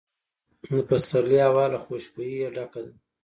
د پسرلي هوا له خوشبویۍ ډکه ده.